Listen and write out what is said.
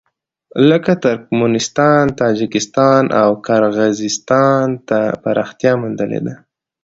لکه ترکمنستان، تاجکستان او قرغېزستان ته پراختیا موندلې ده.